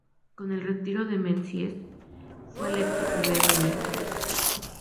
Con el retiro de Menzies, fue electo Primer Ministro.